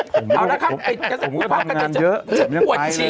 ผมก็ทำงานเยอะ